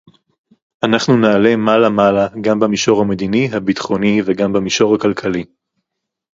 אנחנו נעלה מעלה מעלה גם במישור המדיני-הביטחוני וגם במישור הכלכלי